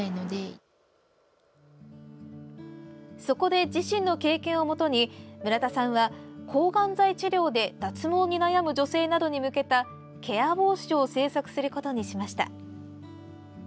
そこで自身の経験をもとに村田さんは、抗がん剤治療で脱毛に悩む女性などに向けたケア帽子を制作することにしました。